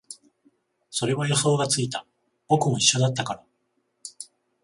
それは予想がついた、僕も一緒だったから